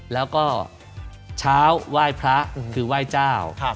แล้วก็เช้าไหว้พระคือไหว้เจ้า